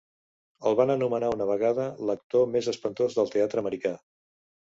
El van anomenar una vegada "l'actor més espantós del teatre americà".